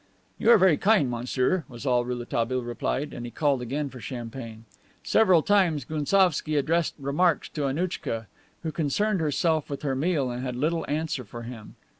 "You are very kind, monsieur," was all Rouletabille replied, and he called again for champagne. Several times Gounsovski addressed remarks to Annouchka, who concerned herself with her meal and had little answer for him.